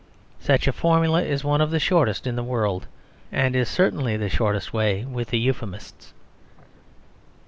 Such a formula is one of the shortest in the world; and is certainly the shortest way with the Euphemists.